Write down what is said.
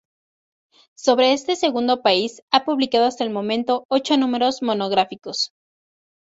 Sobre este segundo país ha publicado hasta el momento ocho números monográficos.